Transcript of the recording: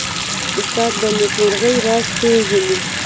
استاد د نېکمرغۍ راز پېژني.